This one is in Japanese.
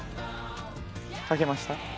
書けました？